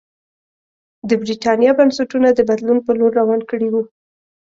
د برېټانیا بنسټونه د بدلون په لور روان کړي وو.